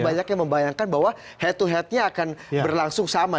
banyak yang membayangkan bahwa head to headnya akan berlangsung sama